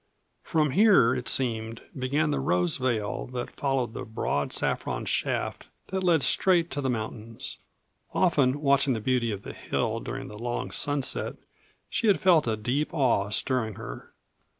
From here, it seemed, began the rose veil that followed the broad saffron shaft that led straight to the mountains. Often, watching the beauty of the hill during the long sunset, she had felt a deep awe stirring her.